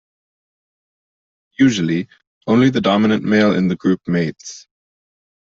Usually, only the dominant male in the group mates.